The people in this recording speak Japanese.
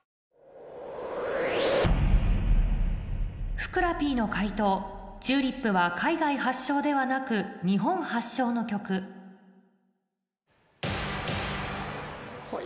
ふくらＰの解答『チューリップ』は海外発祥ではなく日本発祥の曲来い。